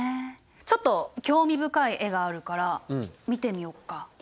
ちょっと興味深い絵があるから見てみようか。